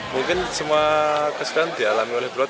mungkin semua keseluruhan dialami oleh brot